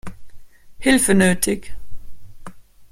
Hilfe nötig.